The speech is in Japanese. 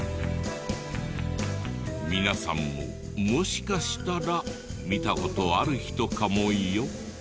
皆さんももしかしたら見た事ある人かもよ。